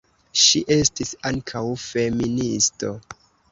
Ŝi estis ankaŭ feministo.